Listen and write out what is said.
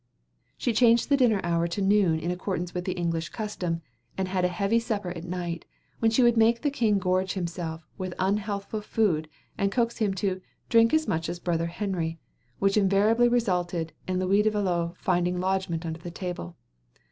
She changed the dinner hour to noon in accordance with the English custom, and had a heavy supper at night, when she would make the king gorge himself with unhealthful food and coax him "to drink as much as brother Henry," which invariably resulted in Louis de Valois finding lodgment under the table.